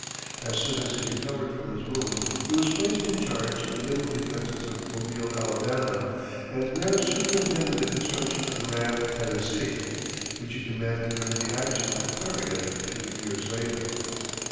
As soon as he recovered from his wound, he was placed in charge of the naval defenses of Mobile, Alabama, and there superintended the construction of the ram Tennessee, which he commanded during the action with Farragut two years later.